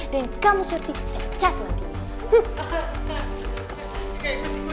dan kamu seperti sekecat lantai